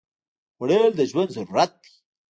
خوړل د ژوند ضرورت دی